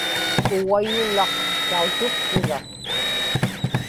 ugayulaq tautukkiga